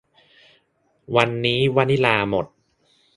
วันนี้วานิลลาหมด